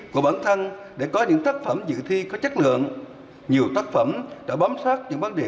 của bản thân để có những tác phẩm dự thi có chất lượng nhiều tác phẩm đã bám sát những vấn đề